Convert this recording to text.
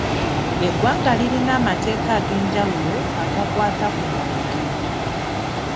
Eggwanga lirina amateeka ag'enjawulo agakwata ku mwenge